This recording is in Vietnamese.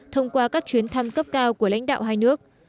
thông qua các chuyến thăm cấp cao của lãnh đạo hai nước